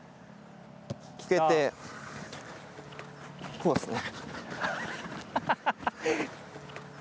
こうですね。